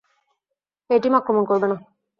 এ team আক্রমণ করবে না।